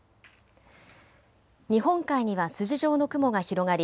日本海には筋状の雲が広がり